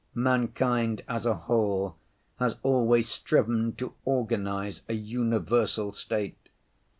Mankind as a whole has always striven to organize a universal state.